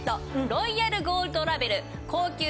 ロイヤルゴールドラベル高級